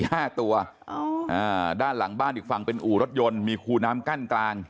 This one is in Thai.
สำหรับในด้านหลังบ้านยี่ฝั่งเป็นอูรถยนต์มีฮูน้ำกั้นกลาง